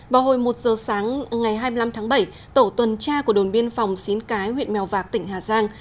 vào hồi một giờ sáng ngày hai mươi năm tháng bảy tổ tuần tra của đồn biên phòng xín cái huyện mèo vạc tỉnh hà giang